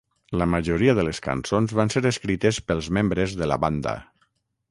La majoria de les cançons van ser escrites pels membres de la banda.